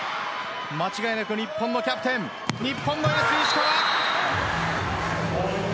間違いなく日本のキャプテンエース、石川。